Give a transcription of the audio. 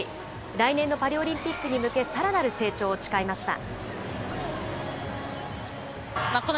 来年のパリオリンピックに向け、さらなる成長を誓いました。